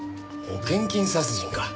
保険金殺人か。